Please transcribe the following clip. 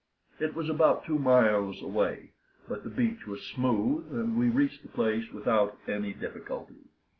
It was about two miles away; but the beach was smooth, and we reached the place without any difficulty.